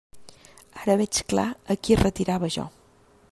Ara veig clar a qui retirava jo.